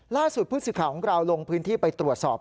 ล่าสุดผู้สื่อข่าวของเราลงพื้นที่ไปตรวจสอบ